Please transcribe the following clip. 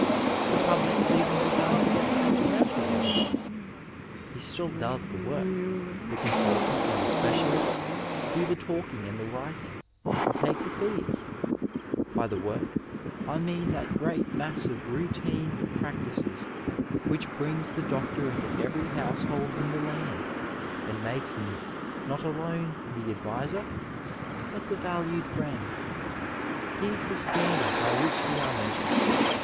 The public has even began to get sentimental over him ! He still does the work ; the consultants and the specialists do the talking and the writing ; and take the fees i By the work, I mean that great mass of routine practice which brings the doctor into every household in the land and makes him, not alone the adviser, but the valued friend. He is the standard by which we are mea sured.